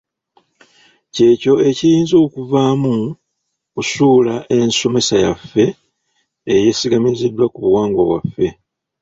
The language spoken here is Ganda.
Kyekyo era ekiyinza okuva mu kusuula ensomesa yaffe eyesigamiziddwa ku buwangwa bwaffe.